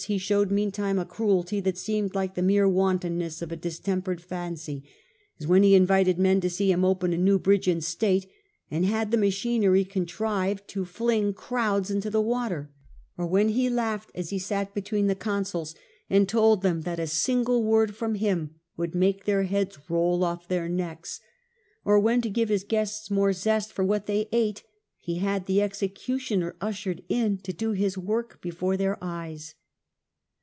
37 41* Caligula, 79 he showed meantime a cruelty that seemed like the mere wantonness of a distempered fancy, as when he invited men to see him open a new bridge in state, and Morbid had the machinery contrived to fling crowds into the water; or when he laughed as he sal between the consuls and told them that a single word from him would make their heads roll off their necks ; or when, to give his guests more zest for what they ate, he had the executioner ushered in to do his work before their eyes.